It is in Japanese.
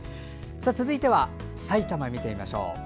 続いてはさいたまを見てみます。